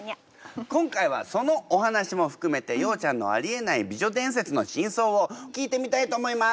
今回はそのお話も含めてようちゃんのありえない美女伝説の真相を聞いてみたいと思います。